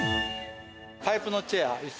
パイプのチェア、いす。